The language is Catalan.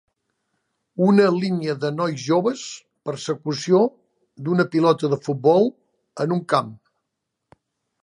Una línia de nois joves persecució d'una pilota de futbol en un camp